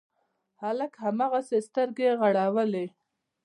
هلک هماغسې سترګې رغړولې.